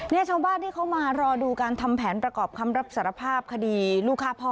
ชาวบ้านที่เขามารอดูการทำแผนประกอบคำรับสารภาพคดีลูกฆ่าพ่อ